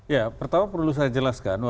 ya pertama perlu saya jelaskan